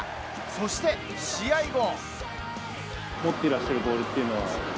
そして試合後